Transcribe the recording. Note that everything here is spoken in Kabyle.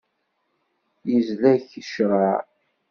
Izla-k ccreɛ.